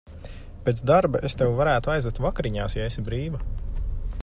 Pēc darba es tevi varētu aizvest vakariņās, ja esi brīva.